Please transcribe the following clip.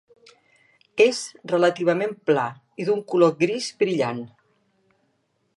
És relativament pla, i d'un color gris brillant.